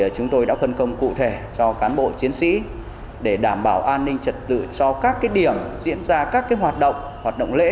chúng tôi đã phân công cụ thể cho cán bộ chiến sĩ để đảm bảo an ninh trật tự cho các điểm diễn ra các hoạt động hoạt động lễ